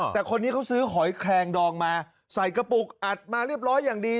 แต่คนนี้เขาซื้อหอยแคลงดองมาใส่กระปุกอัดมาเรียบร้อยอย่างดี